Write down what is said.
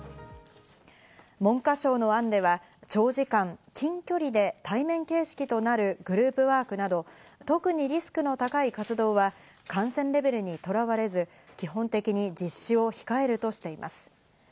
文科省の案では長時間、近距離で対面形式となるグループワークなど、特にリスクの高い活動は感染レベルにとらわれず、基本的に実施を控えるとしています。